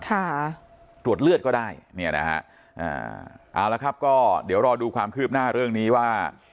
ตรวจเลือดก็ได้เนี่ยนะฮะอ่าเอาละครับก็เดี๋ยวรอดูความคืบหน้าเรื่องนี้ว่า